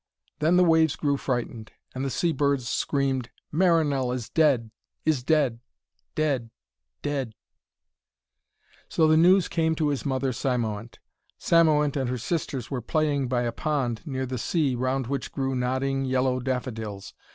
Then the waves grew frightened, and the sea birds screamed, 'Marinell is dead, is dead ... dead ... dead....' So the news came to his mother Cymoënt. Cymoënt and her sisters were playing by a pond near the sea, round which grew nodding yellow daffodils.